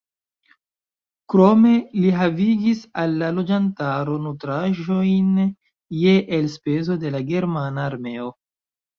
Krome li havigis al la loĝantaro nutraĵojn je elspezo de la germana armeo.